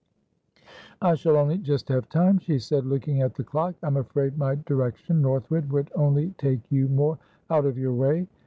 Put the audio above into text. "I shall only just have time," she said, looking at the clock. "I'm afraid my directionnorthwardwould only take you more out of your way."